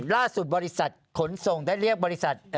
ล่าสุดบริษัทขนส่งได้เรียกบริษัท